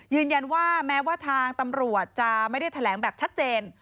ยืนยันว่าแม้ว่าทางตำรวจจะไม่ได้แถลงแบบชัดเจน